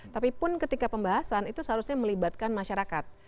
tapi pun ketika pembahasan itu seharusnya melibatkan masyarakat